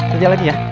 kerja lagi ya